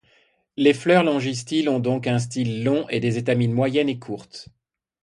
Les fleurs longistyles ont donc un style long et des étamines moyennes et courtes.